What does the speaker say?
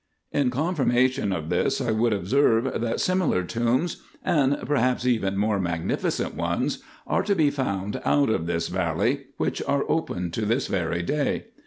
In confirmation of this I would observe, that similar tombs, and perhaps even more magnificent ones, are to \ye found out of this valley, which are open to this very day.